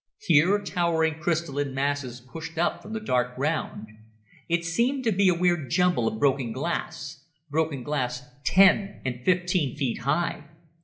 Here towering crystalline masses pushed up from the dark ground. It seemed to be a weird jumble of broken glass broken glass ten and fifteen feet high!